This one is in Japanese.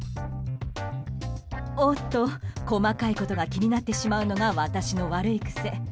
おっと、細かいことが気になってしまうのが私の悪い癖。